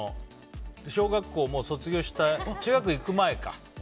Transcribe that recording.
小学校卒業して中学行く前か。